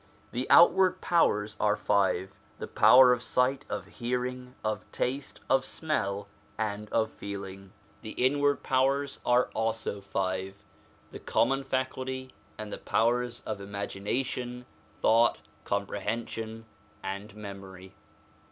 The outward powers are five : the power of sight, of hearing, of taste, of smell, and of feeling. The inner powers are also five : the common faculty, and the powers of imagination, thought, comprehension, and memory.